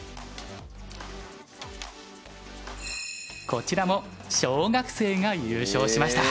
こちらも小学生が優勝しました。